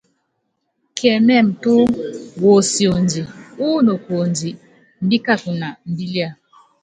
Kiɛmɛ́ɛmɛ túú, wosiondi, wúnokuondi, imbíkakunɔ, imbilia.